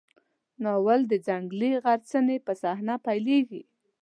ناول د ځنګلي غرڅنۍ په صحنه پیلېږي.